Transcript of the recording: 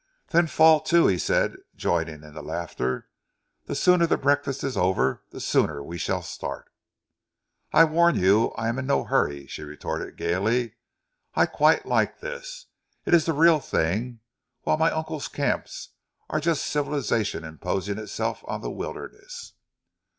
"Then fall to," he said, joining in the laughter. "The sooner the breakfast is over the sooner we shall start." "I warn you I am in no hurry," she retorted gaily. "I quite like this. It is the real thing; whilst my uncle's camps are just civilization imposing itself on the wilderness."